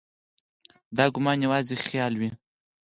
دا ګومان یوازې خیال وي.